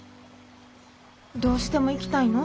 どうしても行きたいの？